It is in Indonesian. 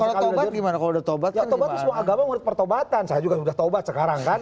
ya tobat semua agama menurut pertobatan saya juga sudah tobat sekarang kan